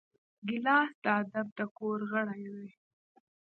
ګیلاس د ادب د کور غړی دی.